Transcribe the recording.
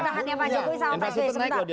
pemerintahannya pak jokowi sama pak sby